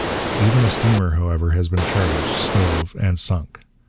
Even a steamer, however, has been charged, stove, and sunk.